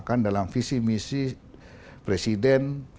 dan dengan menteri provincial untuk ilmu yang sajik